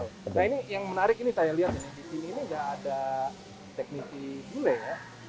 nah ini yang menarik ini saya lihat di sini ini nggak ada tekniti gulai ya